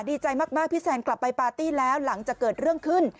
ดีใจมากพี่แซนกลับไปปาร์ตี้แล้วหลังจากเกิดเรื่องขึ้น